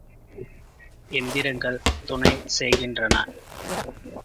எந்திரங்கள் துணை செய்கின்றன.